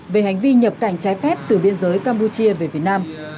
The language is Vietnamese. về hành vi nhập cảnh trái phép từ biên giới campuchia về việt nam